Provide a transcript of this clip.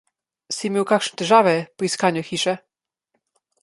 Si imel kakšne težave pri iskanju hiše?